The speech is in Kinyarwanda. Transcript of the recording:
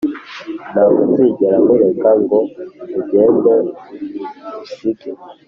ntagozigera nkureka ngo ugende usige